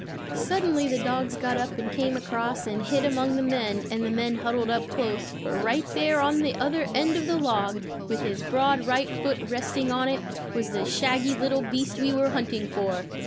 Suddenly the dogs got up and came across and hid among the men, and the men huddled up close; for right there on the other end of the log, with his broad right foot resting on it, was the shaggy little beast we were hunting for.